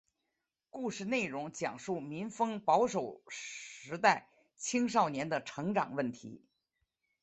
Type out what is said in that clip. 故事内容讲述民风保守时代青少年的成长问题。